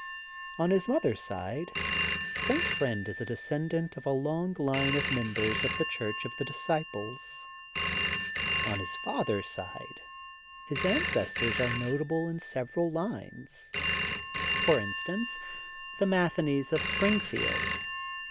On his mother's side St. Friend is a descendant of a long line of members of the Church of the Disciples. On his father's side his ancestors are notable in several lines, for instance, the Matheneys of Springfield.